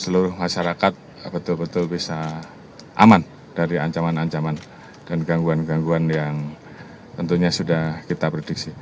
laporan komandan ap